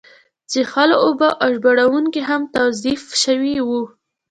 د څښلو اوبه او ژباړونکي هم توظیف شوي وو.